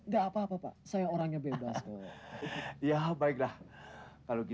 tapi padahal anak one ke reminis duty